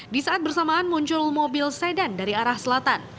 di saat bersamaan muncul mobil sedan dari arah selatan